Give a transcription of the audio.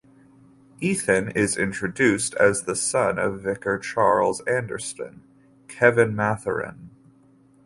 Ethan is introduced as the son of vicar Charles Anderson (Kevin Mathurin).